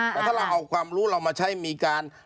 แต่ถ้าเราเอาความรู้เรามาใช้มีการ